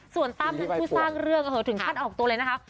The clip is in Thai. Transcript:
ส่วนตั้มเป็นผู้สร้างเรื่องถึงขั้นออกตัวเลยนะคะ